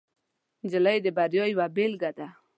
نجلۍ د بریا یوه بیلګه ده.